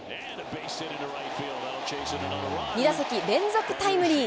２打席連続タイムリー。